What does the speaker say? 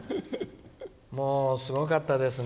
もう、すごかったですね。